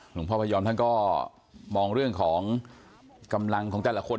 พยอมท่านก็มองเรื่องของกำลังของแต่ละคน